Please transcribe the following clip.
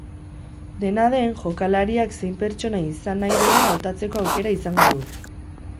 Dena den, jokalariak zein pertsonai izan nahi duen hautatzeko aukera izango du.